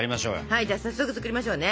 はいじゃ早速作りましょうね。